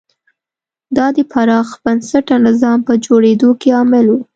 دا د پراخ بنسټه نظام په جوړېدو کې عامل و.